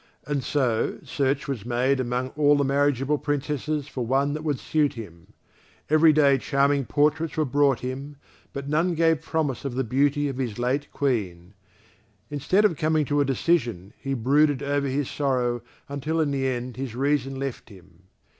And so search was made among all the marriageable Princesses for one that would suit him. Every day charming portraits were brought him, but none gave promise of the beauty of his late Queen; instead of coming to a decision he brooded over his sorrow until in the end his reason left him.